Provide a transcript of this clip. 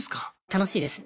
楽しいです。